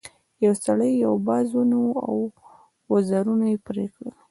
یو سړي یو باز ونیو او وزرونه یې پرې کړل.